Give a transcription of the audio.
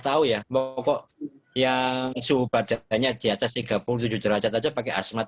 tahu ya mau kok yang suhu badannya di atas tiga puluh tujuh derajat aja pakai asmat